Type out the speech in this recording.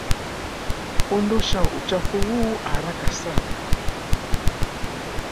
Ondosha uchafu huu haraka sana.